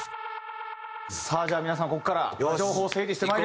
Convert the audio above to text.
さあじゃあ皆さんここから情報を整理してまいりますので。